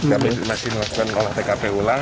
kami masih melakukan olah tkp ulang